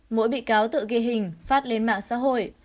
mỗi bị cáo tự ghi hình phát lên mạng xã hội